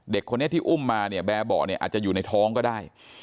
เด็กคนนี้ที่อุ้มมาเนี่ยแบร์เบาะเนี่ยอาจจะอยู่ในท้องก็ได้